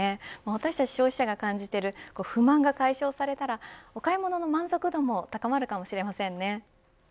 私たち消費者が感じている不満が解消されたらお買い物の満足度も高まるかもしれませんね。